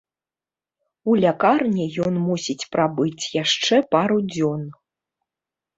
У лякарні ён мусіць прабыць яшчэ пару дзён.